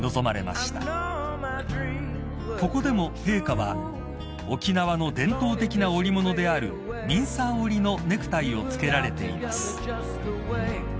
［ここでも陛下は沖縄の伝統的な織物であるミンサー織りのネクタイを着けられています］